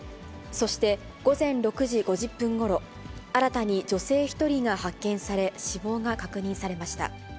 そして午前６時５０分ごろ、新たに女性１人が発見され、死亡が確認されました。